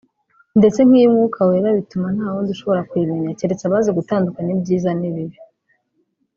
ndetse nk’iy’Umwuka Wera bituma nta wundi ushobora kuyimenya keretse abazi gutandukanya ibyiza n’ibibi